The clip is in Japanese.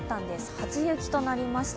初雪となりました。